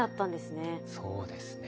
そうですね。